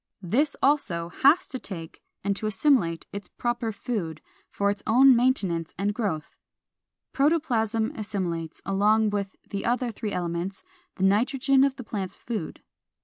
This also has to take and to assimilate its proper food, for its own maintenance and growth. Protoplasm assimilates, along with the other three elements, the nitrogen of the plant's food.